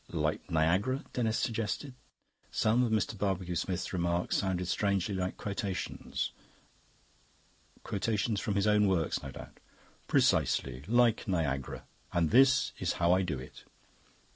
"Like Niagara," Denis suggested. Some of Mr. Barbecue Smith's remarks sounded strangely like quotations quotations from his own works, no doubt. "Precisely. Like Niagara. And this is how I do it."